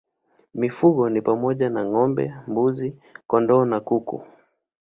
Mifugo ni pamoja na ng'ombe, mbuzi, kondoo na kuku.